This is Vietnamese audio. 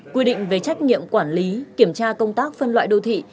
quy định về trách nhiệm quản lý kiểm tra công tác phân loại đô thị